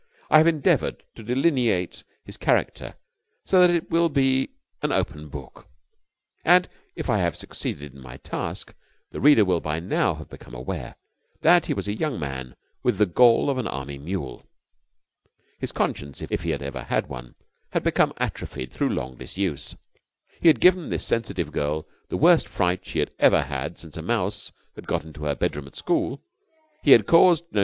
I have endeavoured to delineate his character so that it will be as an open book. And, if I have succeeded in my task, the reader will by now have become aware that he was a young man with the gall of an Army mule. His conscience, if he had ever had one, had become atrophied through long disuse. He had given this sensitive girl the worst fright she had had since a mouse had got into her bedroom at school. He had caused Jno.